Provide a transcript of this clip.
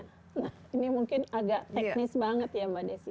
nah ini mungkin agak teknis banget ya mbak desi